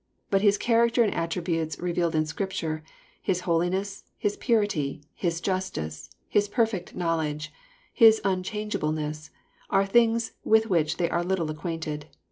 But His character and attributes revealed in Scripture, His holiness, His purity, His justice, His perfect knowledge. His unchangeableness, are things with which they are little acquainted.